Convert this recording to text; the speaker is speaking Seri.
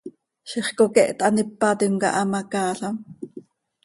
Ziix coqueht hanípatim cah hamacaalam.